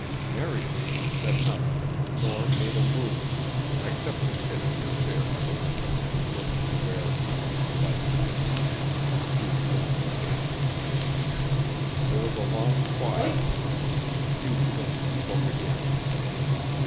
Mary Snow said nothing, nor made a move, except to sit in her chair by the window and look to where, in the light of the kitchen lamp, Hugh Glynn stood. There was a long quiet. Hugh Glynn spoke again.